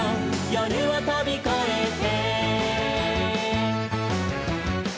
「夜をとびこえて」